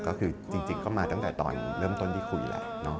ก็คือจริงก็มาตั้งแต่ตอนเริ่มต้นที่คุยแล้ว